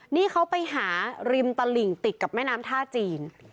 นี่เขาไปหาริมตลิ่งติดกับแม่น้ำท่าจีน